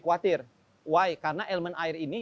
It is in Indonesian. khawatir why karena elemen air ini